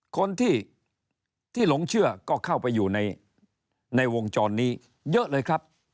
คนที่หลงเชื่อก็เข้าไปอยู่ในวงจรนี้เยอะเลยครับ